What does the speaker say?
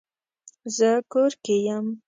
زه کور کې یم